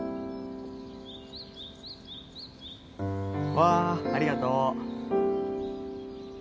わあありがとう。